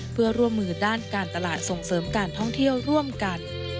เพื่อร่วมมือด้านการตลาดส่งเสริมการท่องเที่ยวร่วมกัน